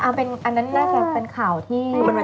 อันนั้นน่าจะเป็นข่าวที่